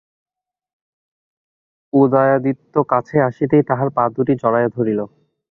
উদয়াদিত্য কাছে আসিতেই তাঁহার পা দুটি জড়াইয়া ধরিল।